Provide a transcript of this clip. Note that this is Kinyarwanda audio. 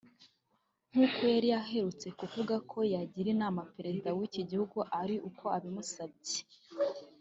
nk’uko yari aherutse kuvuga ko yagira inama Perezida w’iki gihugu ari uko abimusabye